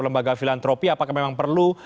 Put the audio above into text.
lembaga filantropi apakah memang perlu